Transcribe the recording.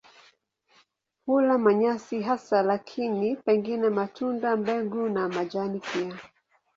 Hula manyasi hasa lakini pengine matunda, mbegu na majani pia.